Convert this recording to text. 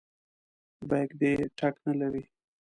بیک دې ټک نه لري.